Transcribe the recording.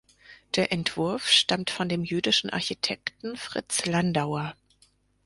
Der Entwurf stammt von dem jüdischen Architekten Fritz Landauer.